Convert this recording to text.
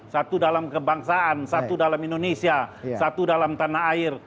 satu dalam kebangsaan satu dalam indonesia satu dalam tanah air